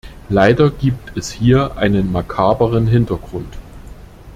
Leider gibt es hier einen makabren Hintergrund.